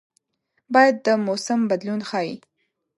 باد د موسم بدلون ښيي